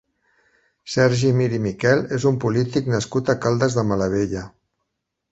Sergi Mir i Miquel és un polític nascut a Caldes de Malavella.